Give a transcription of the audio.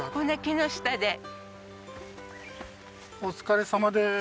お疲れさまです。